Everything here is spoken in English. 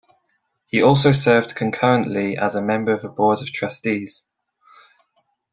He also served concurrently as a member of the Board of Trustees.